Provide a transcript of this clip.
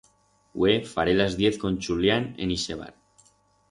Hue faré las diez con Chulián en ixe bar.